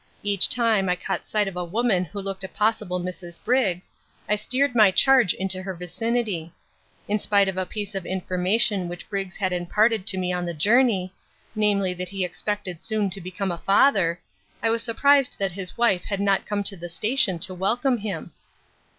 Each time I caught sight of a woman who looked a possible Mrs. Briggs I steered my charge into her vicinity. In spite of a piece of information which Briggs had imparted to me on the journey namely, that he expected soon to become a father I was surprised that his wife had not come to the station to welcome him.